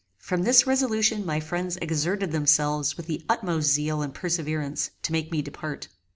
From this resolution my friends exerted themselves with the utmost zeal and perseverance to make me depart.